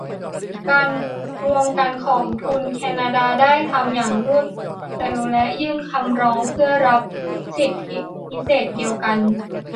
การรวมกันของทุนแคนาดาได้ทำอย่างรวดเร็วและยื่นคำร้องเพื่อรับสิทธิพิเศษเดียวกัน